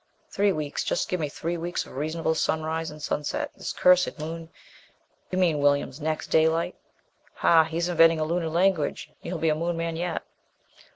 "Three weeks. Just give me three weeks of reasonable sunrise and sunset! This cursed Moon! You mean, Williams, next daylight." "Ha! He's inventing a Lunar language. You'll be a Moon man yet."